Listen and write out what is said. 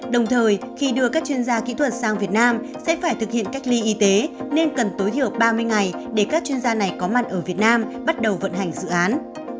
đồng thời khi đưa các chuyên gia kỹ thuật sang việt nam sẽ phải thực hiện cách ly y tế nên cần tối thiểu ba mươi ngày để các chuyên gia này có mặt ở việt nam bắt đầu vận hành dự án